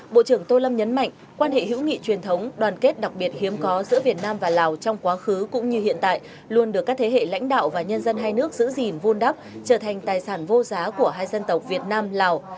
bộ trưởng tô lâm nhấn mạnh quan hệ hữu nghị truyền thống đoàn kết đặc biệt hiếm có giữa việt nam và lào trong quá khứ cũng như hiện tại luôn được các thế hệ lãnh đạo và nhân dân hai nước giữ gìn vôn đắp trở thành tài sản vô giá của hai dân tộc việt nam lào